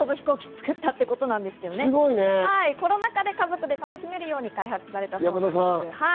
コロナ禍で家族で楽しめるように開発したそうです。